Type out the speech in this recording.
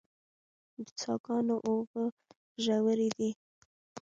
د څاه ګانو اوبه ژورې دي